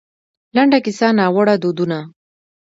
لـنـډه کيـسـه :نـاوړه دودونـه